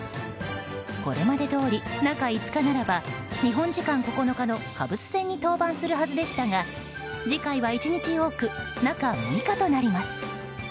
これまでどおり中５日ならば日本時間９日のカブス戦に登板する予定でしたが次回は１日多く中６日となります。